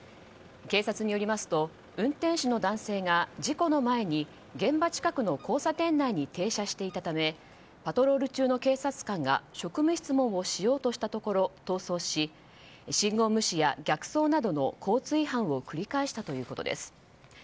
警察によりますと運転手の男性が事故の前に現場近くの交差点内に停車していたためパトロール中の警察官が職務質問をしようとしたところ逃走し信号無視や逆走などの交通違反を繰り返したということです。